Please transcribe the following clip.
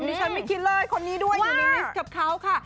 ก็ที่ฉันไม่คิดเลยคนนี้ด้วยอยู่ในรีสกับเขาค่ะ